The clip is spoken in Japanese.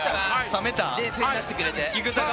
冷静になってくれた。